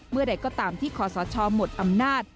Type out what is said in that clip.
เมื่อใดก็ตามที่ขอสชหมดอำนาจ